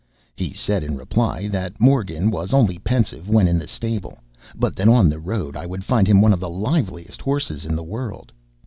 He said in reply, that Morgan was only pensive when in the stable, but that on the road I would find him one of the liveliest horses in the world.